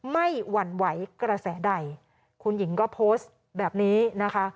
หวั่นไหวกระแสใดคุณหญิงก็โพสต์แบบนี้นะคะ